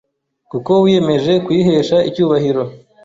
kuko wiyemeje kuyihesha icyubahiro